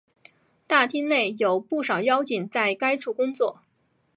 大厅内有不少妖精在该处工作。